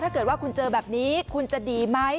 ถ้าเกิดว่าคุณเจอแบบนี้คุณจะดีไหม